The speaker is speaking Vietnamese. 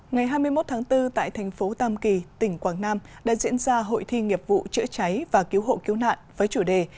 ngày hai mươi một tháng bốn tại thành phố tam kỳ tỉnh quảng nam đã diễn ra hội thi nghiệp vụ chữa cháy và cứu hộ cứu nạn với chủ đề